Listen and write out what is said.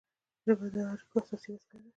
ژبه د اړیکو اساسي وسیله ده.